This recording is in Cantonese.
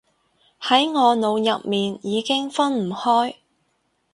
喺我腦入面已經分唔開